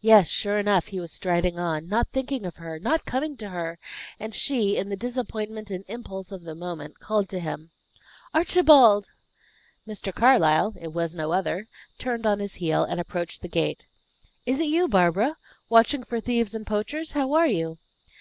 Yes, sure enough he was striding on, not thinking of her, not coming to her; and she, in the disappointment and impulse of the moment, called to him, "Archibald!" Mr. Carlyle it was no other turned on his heel, and approached the gate. "Is it you, Barbara! Watching for thieves and poachers? How are you?"